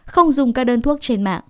không dùng các đơn thuốc